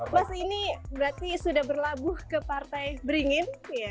mas ini berarti sudah berlabuh ke partai beringin